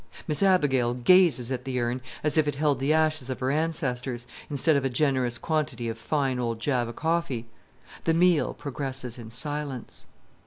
Miss Abigail gazes at the urn as if it held the ashes of her ancestors, instead of a generous quantity of fine old Java coffee. The meal progresses in silence.